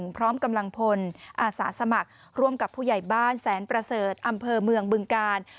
พร้อมกำลังพลอาสาสมัครร่วมกับผู้ใหญ่บ้านแสนประเสริฐอำเภอเมืองบึงกาล